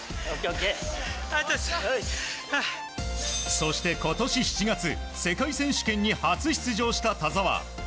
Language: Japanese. そして今年７月世界選手権に初出場した田澤。